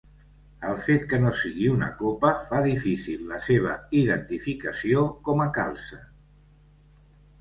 El fet que no sigui una copa fa difícil la seva identificació com a calze.